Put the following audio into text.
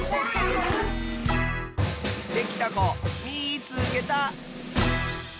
できたこみいつけた！